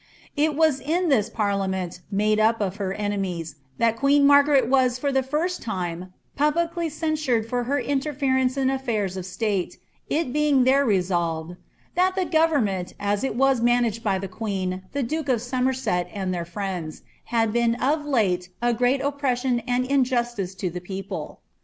It was in this parliament, made up of her enemies, that queen Mar garet was for the first time publicly censured for her interference in mfiairs of state, it being there resolved, ^^ that the government, as it was managed by the queen, the duke of Somerset, and their friends, had been of late a great oppression and injustice to the people.''